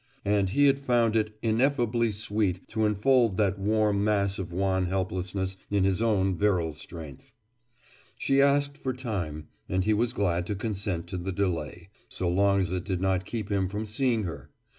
And he had found it ineffably sweet to enfold that warm mass of wan helplessness in his own virile strength. She asked for time, and he was glad to consent to the delay, so long as it did not keep him from seeing her.